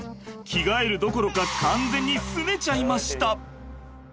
着替えるどころか完全にすねちゃいました。